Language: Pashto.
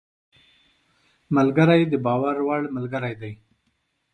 ملګری د باور وړ ملګری دی